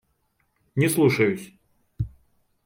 Не слушаюсь.